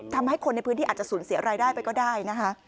ทำให้คนในพื้นที่อาจจะสูญเสียรายได้ไปก็ได้นะคะ